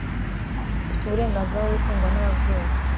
ufite uburenganzira bwo gutungwa n'ababyeyi